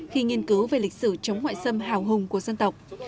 khi nghiên cứu về lịch sử chống ngoại xâm hào hùng của dân tộc